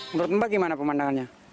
menurut anda bagaimana pemandangannya